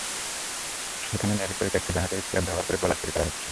সেখানে নেভির পরিত্যক্ত জাহাজের স্ক্র্যাপ ব্যবহার করে গোলা তৈরি করা হচ্ছে।